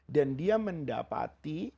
dan dia mendapati